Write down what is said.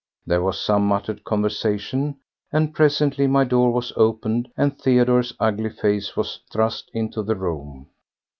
There was some muttered conversation, and presently my door was opened and Theodore's ugly face was thrust into the room.